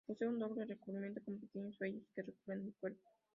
Posee un doble recubrimiento, con pequeños vellos que recubren el cuerpo.